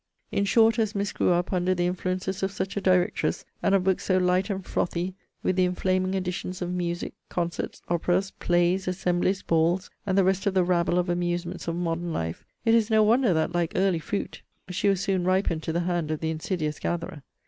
In short, as Miss grew up under the influences of such a directress, and of books so light and frothy, with the inflaming additions of music, concerts, operas, plays, assemblies, balls, and the rest of the rabble of amusements of modern life, it is no wonder that, like early fruit, she was soon ripened to the hand of the insidious gatherer.